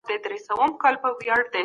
موږ مکلف یوچي هېواد وساتو.